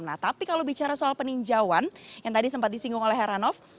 nah tapi kalau bicara soal peninjauan yang tadi sempat disinggung oleh heranov